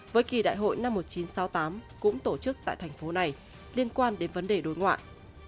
với kỳ đại hội năm một nghìn chín trăm sáu mươi tám cũng tổ chức tại thành phố này liên quan đến vấn đề đối ngoại